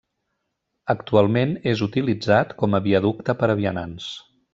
Actualment és utilitzat com a viaducte per a vianants.